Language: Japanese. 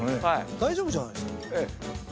大丈夫じゃないですか。